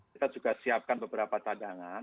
kita juga siapkan beberapa cadangan